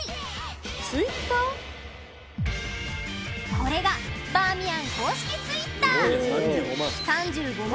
これがバーミヤン公式Ｔｗｉｔｔｅｒ３５万